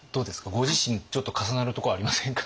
ご自身ちょっと重なるとこありませんか？